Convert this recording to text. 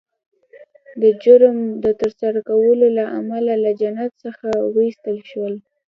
د جرم د ترسره کولو له امله له جنت څخه وایستل شول